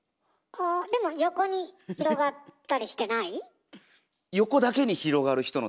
あでも横に広がったりしてない？